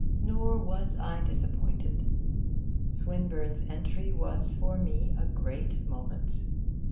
Nor was I disappointed. Swinburne's entry was for me a great moment.